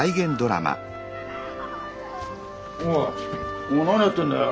おいお前何やってんだよ。